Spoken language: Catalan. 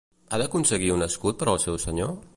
Ha d'aconseguir un escut per al seu senyor?